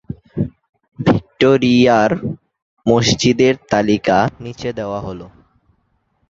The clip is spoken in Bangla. ভিক্টোরিয়ার মসজিদের তালিকা নিচে দেওয়া হল।